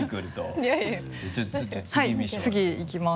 はい次いきます。